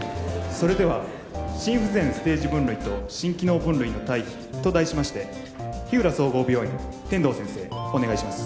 それでは「心不全ステージ分類と心機能分類の対比」と題しまして日浦総合病院天堂先生お願いします